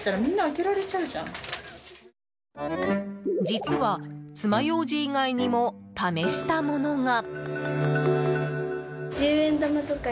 実は、つまようじ以外にも試したものが。